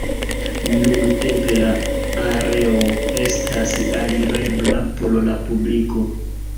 Nuntempe la areo estas alirebla por la publiko.